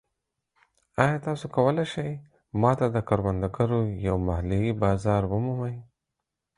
ایا تاسو کولی شئ ما ته د کروندګرو یو محلي بازار ومومئ؟